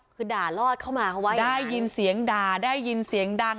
คือด่าลอดเข้ามาเขาไว้ได้ยินเสียงด่าได้ยินเสียงดัง